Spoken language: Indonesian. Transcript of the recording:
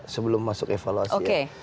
sebelum masuk evaluasinya